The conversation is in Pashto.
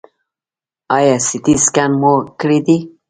ایا سټي سکن مو کړی دی؟